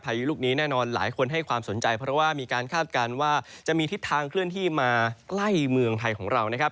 ยุลูกนี้แน่นอนหลายคนให้ความสนใจเพราะว่ามีการคาดการณ์ว่าจะมีทิศทางเคลื่อนที่มาใกล้เมืองไทยของเรานะครับ